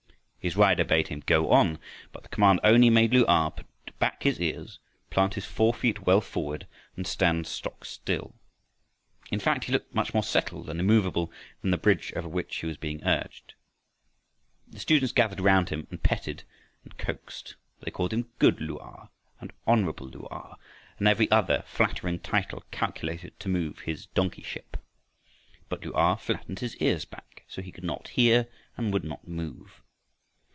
His rider bade him "go on," but the command only made Lu a put back his ears, plant his fore feet well forward and stand stock still. In fact he looked much more settled and immovable than the bridge over which he was being urged. The students gathered round him and petted and coaxed. They called him "Good Lu a" and "Honorable Lu a" and every other flattering title calculated to move his donkeyship, but Lu a flattened his ears back so he could not hear and would not move.